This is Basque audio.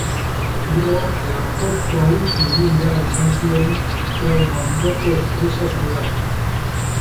Gero, lanpostua utzi egin behar izan zuen trauma-ondoko estresa zuelako.